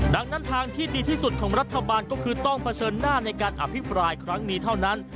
ดังนั้นทางที่ดีที่สุดของรัฐบาลก็คือต้องเผชิญหน้าในการอภิปรายครั้งนี้เท่านั้น